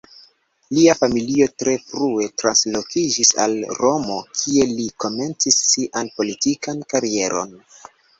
Lia familio tre frue translokiĝis al Romo, kie li komencis sian politikan karieron.